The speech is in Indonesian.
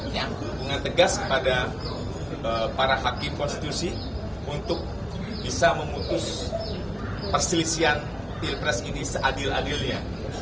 dengan tegas kepada para hakim konstitusi untuk bisa memutus perselisian pilpres ini seadil adilnya